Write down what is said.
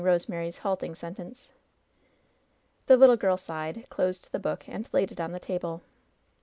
Rosemary's halting sentence. The little girl sighed, closed the book and laid it on the table.